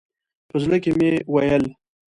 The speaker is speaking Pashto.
په زړه کې مې ویل.